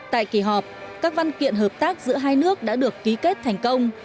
tại kỳ họp các văn kiện hợp tác giữa hai nước đã được ký kết thành công